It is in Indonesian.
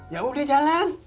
ya udah jalan